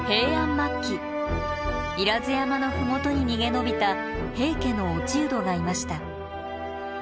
末期不入山の麓に逃げ延びた平家の落人がいました。